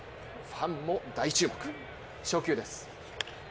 ファンも大注目、初球です。